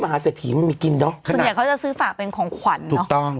หาเศรษฐีมันมีกินเนอะส่วนใหญ่เขาจะซื้อฝากเป็นของขวัญเนอะถูกต้อง